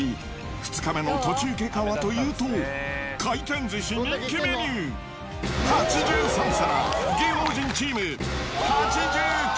２日目の途中経過はというと、回転寿司、人気メニュー８３皿。